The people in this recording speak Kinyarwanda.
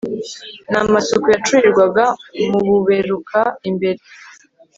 ni amasuka yacurirwaga m'ububeruka imbere